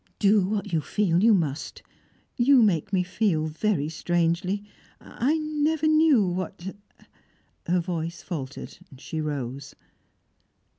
"Do what you feel you must. You make me feel very strangely. I never knew what " Her voice faltered. She rose.